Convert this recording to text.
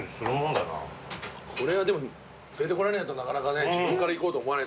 これはでも連れてこられないとなかなかね自分から行こうと思わない。